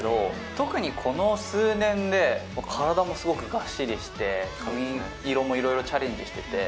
特にこの数年で体もすごくがっしりして、髪色もいろいろチャレンジしてて。